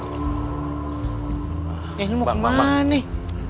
ini mau kemana nih